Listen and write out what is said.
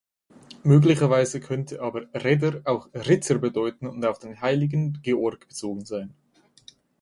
Möglicherweise könnte aber „redder“ auch „Ritter“ bedeuten und auf den Heiligen Georg bezogen sein.